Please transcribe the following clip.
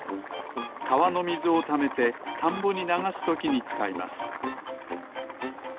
かわのみずをためてたんぼにながすときにつかいます